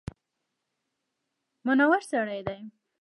منور سړی دی.